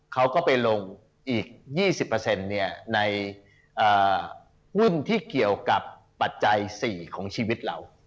เขาก็ไปลงอีก๒๐ในหุ้นที่เกี่ยวกับปัจจัย๔ของชีวิตเรา